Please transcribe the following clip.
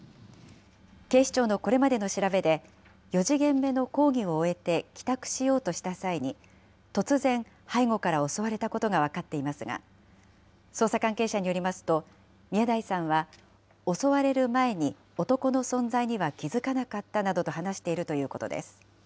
警視庁のこれまでの調べで、４時限目の講義を終えて帰宅しようとした際に、突然、背後から襲われたことが分かっていますが、捜査関係者によりますと、宮台さんは、襲われる前に男の存在には気付かなかったなどと話しているということです。